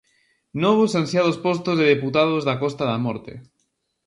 Novos e ansiados postos de deputados da Costa da Morte.